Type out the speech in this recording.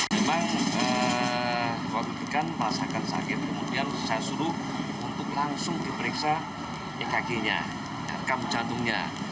memang kewakilan masakan sakit kemudian saya suruh untuk langsung diperiksa ekg nya rekam jantungnya